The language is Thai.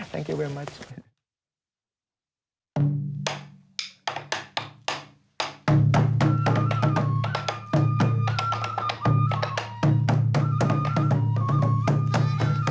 สวัสดีครับ